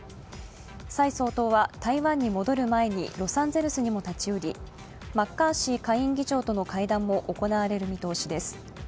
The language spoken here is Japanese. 蔡総統は台湾に戻る前にロサンゼルスにも立ち寄り、マッカーシー下院議長との会談も行われる見通しです。